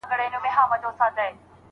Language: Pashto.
موږه تل د نورو پر پلو پل ږدو حرکت کوو